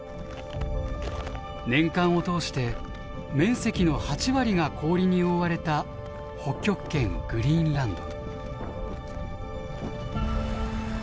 年間を通して面積の８割が氷に覆われた北極圏グリーンランド。